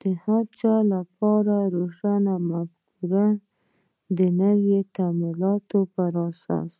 د هر چا لپاره روښانفکري د نویو تمایلاتو په اساس.